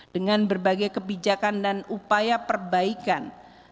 dengan berbagai kebijakan dan upaya perbaikan